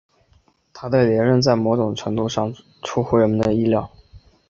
他的连任在某种程度上出乎人们的意料。